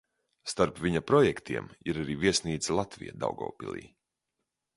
Starp viņa projektiem ir arī viesnīca Latvija Daugavpilī.